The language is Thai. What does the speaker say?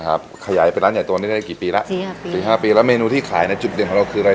ขยายเป็นร้านใหญ่ตัวนี้ได้กี่ปีแล้วสี่ห้าปีสี่ห้าปีแล้วเมนูที่ขายในจุดเด่นของเราคืออะไร